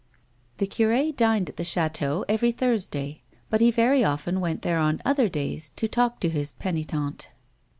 The cure dined at the chateau every Thursday, but he very often went there on other days to talk to his penitente.